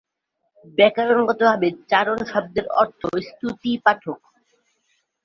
ব্যাকরণগত ভাবে চারণ শব্দের অর্থ স্তুতি পাঠক।